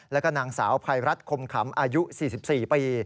แล้วก็นางสาวภัยรัฐคมขำอายุ๔๔ปี